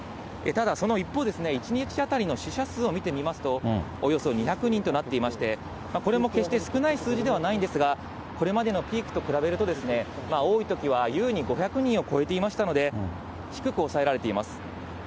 ただ、その一方、１日当たりの死者数を見てみますと、およそ２００人となっていまして、これも決して少ない数字ではないんですが、これまでのピークと比べると、多いときはゆうに５００人を超えていましたので、低く抑えられています。